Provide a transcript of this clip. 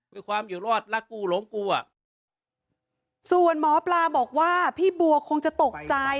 ด้วยความอยู่รอดรักกูหลงกูอ่ะส่วนหมอปลาบอกว่าพี่บัวคงจะตกใจ